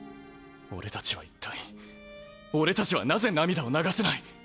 俺たちは一体俺たちはなぜ涙を流せない？